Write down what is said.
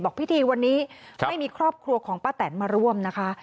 พิธีวันนี้ไม่มีครอบครัวของป้าแตนมาร่วมนะคะ